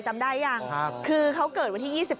จำได้ยังคือเขาเกิดวันที่๒๑